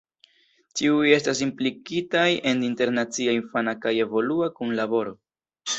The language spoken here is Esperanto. Ĉiuj estas implikitaj en internacia infana kaj evolua kunlaboro.